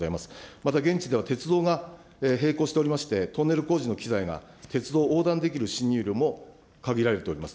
また現地では鉄道が並行しておりまして、トンネル工事の機材が鉄道横断できる進入路も限られております。